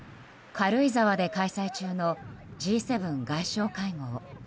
軽井沢で開催中のＧ７外相会合。